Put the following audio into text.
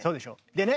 でね